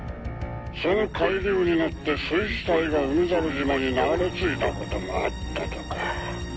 その海流に乗って水死体が海猿島に流れ着いたこともあったとか。